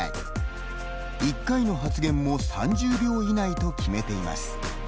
１回の発言も３０秒以内と決めています。